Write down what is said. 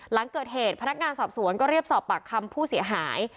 หลังเกิดเหตุพนักงานสอบสวนก็เรียกสอบปากคำผู้เสียหาย